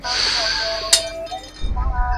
আমি বললাম, হাত তোল।